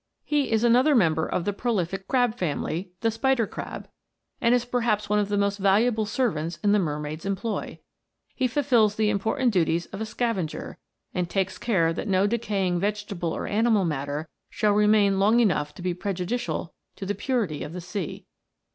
He is another mem ber of the prolific crab family, and is perhaps one of the most valuable servants in the mermaid's em * The Porcelain Crab. 122 THE MERMAID'S HOME. ploy. He fulfils the important duties of a sca venger, and takes care that no decaying vegetable or animal matter shall remain long enough to be prejudicial to the purity of the sea.